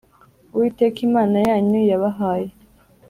Uwiteka Imana yanyu yabahaye